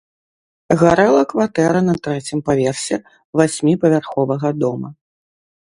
Гарэла кватэра на трэцім паверсе васьміпавярховага дома.